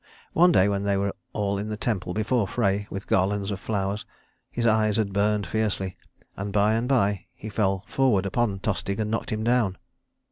One day when they were all in the temple before Frey, with garlands of flowers, his eyes had burned fiercely, and by and by he fell forward upon Tostig and knocked him down.